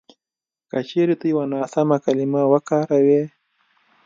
که چېرې ته یوه ناسمه کلیمه وکاروې